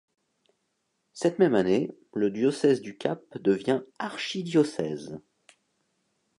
Cette même année, le diocèse du Cap devient archidiocèse.